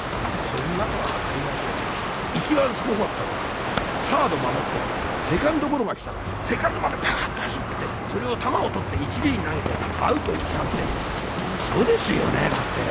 こんなのは当たり前で一番すごかったのはサード守っててセカンドゴロが来たらセカンドまでパッと走ってってそれを球をとって一塁に投げてアウトにしたってうそですよねだって。